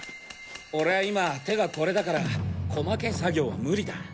俺は今手がコレだから細けぇ作業は無理だ。